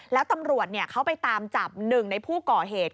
แล้วตำรวจเขาไปตามจับหนึ่งในผู้ก่อเหตุ